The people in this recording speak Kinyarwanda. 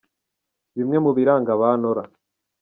Bimwe mu biranga ba Nora